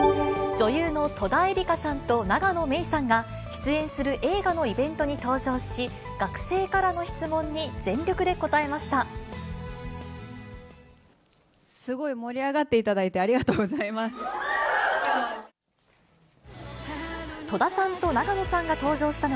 女優の戸田恵梨香さんと永野芽郁さんが、出演する映画のイベントに登場し、学生からの質問に全力で答えました。